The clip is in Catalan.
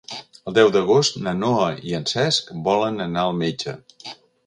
El deu d'agost na Noa i en Cesc volen anar al metge.